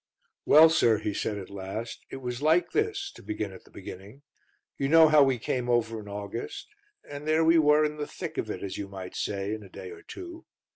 "Well, sir," he said at last, "it was like this, to begin at the beginning. You know how we came over in August, and there we were in the thick of it, as you might say, in a day or two.